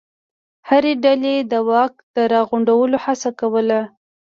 هرې ډلې د واک د راغونډولو هڅه کوله.